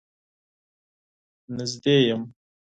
نږدې يم.